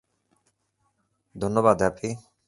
ধন্যবাদ, হ্যাপি?